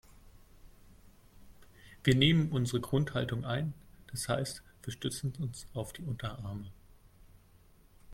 Wir nehmen unsere Grundhaltung ein, das heißt wir stützen uns auf die Unterarme.